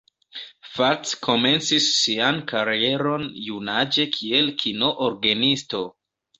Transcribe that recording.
Fats komencis sian karieron junaĝe kiel kino-orgenisto.